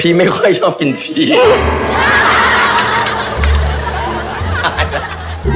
พี่ไม่ค่อยชอบกินชีส